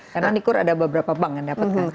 karena di kur ada beberapa bank yang dapat kan